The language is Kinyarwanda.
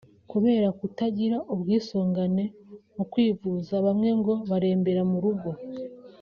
Kubera kutagira ubwisungane mu kwivuza bamwe ngo barembera mu rugo